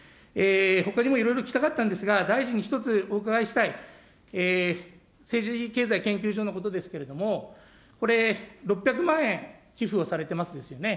ほかにもいろいろ聞きたかったんですが、大臣に一つお伺いしたい、政治経済研究所のことですけれども、６００万円寄付をされてますですよね。